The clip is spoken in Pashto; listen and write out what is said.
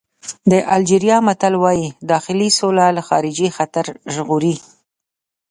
د الجېریا متل وایي داخلي سوله له خارجي خطر ژغوري.